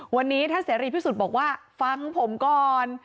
วันนี้ท่านเสรีพิสุทธิ์บอกว่าฟังผมก่อน